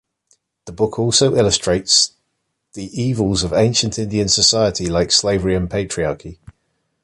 The book also illustrates the evils of ancient Indian society like slavery and patriarchy.